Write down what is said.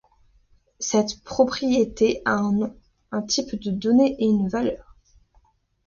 Cette propriété a un nom, un type de données et une valeur.